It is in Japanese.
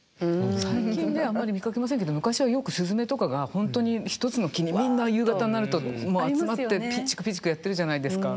最近ではあんまり見かけませんけど昔はよくスズメとかが本当に１つの木にみんな夕方になると集まってピーチクピーチクやってるじゃないですか。